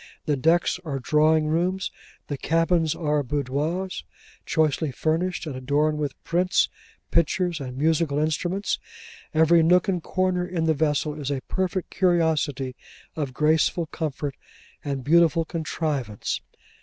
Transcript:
The decks are drawing rooms; the cabins are boudoirs, choicely furnished and adorned with prints, pictures, and musical instruments; every nook and corner in the vessel is a perfect curiosity of graceful comfort and beautiful contrivance.